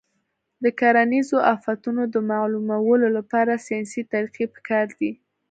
د کرنیزو آفتونو د معلومولو لپاره ساینسي طریقې پکار دي.